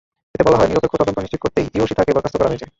এতে বলা হয়, নিরপেক্ষ তদন্ত নিশ্চিত করতেই ইয়োশিথাকে বরখাস্ত করা হয়েছে।